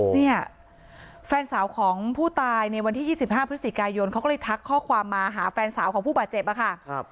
เนี่ยแฟนสาวของผู้ตายในวันที่๒๕พฤศจิกายนเขาก็เลยทักข้อความมาหาแฟนสาวของผู้บาดเจ็บอะค่ะ